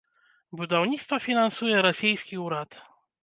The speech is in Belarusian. Будаўніцтва фінансуе расейскі ўрад.